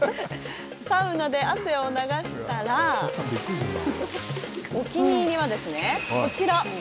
サウナで汗を流したらお気に入りはですね、こちら。